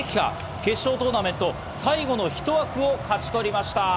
決勝トーナメント、最後のひと枠を勝ち取りました。